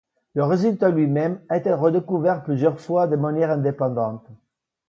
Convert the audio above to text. Le résultat lui-même a été redécouvert plusieurs fois de manière indépendante.